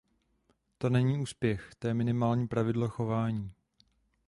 To není úspěch, to je minimální pravidlo chování.